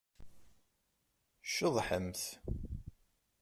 Ceḍḥemt!